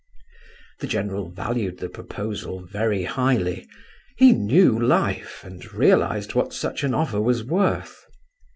The general valued the proposal very highly. He knew life, and realized what such an offer was worth.